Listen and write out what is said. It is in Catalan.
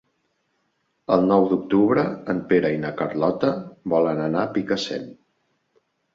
El nou d'octubre en Pere i na Carlota volen anar a Picassent.